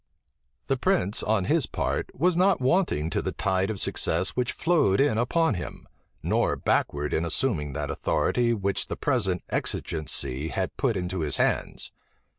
The prince on his part was not wanting to the tide of success which flowed in upon him, nor backward in assuming that authority which the present exigency had put into his hands.